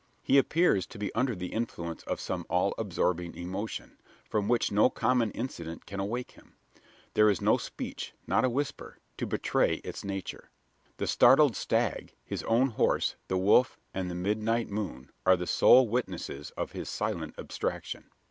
He appears to be under the influence of some all absorbing emotion, from which no common incident can awake him. There is no speech not a whisper to betray its nature. The startled stag, his own horse, the wolf, and the midnight moon, are the sole witnesses of his silent abstraction.